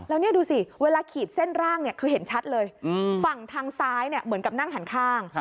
แล้วนี่ดูสิเวลาขีดเส้นร่างเนี่ยคือเห็นชัดเลยฝั่งทางซ้ายเหมือนกับนั่งหันข้าง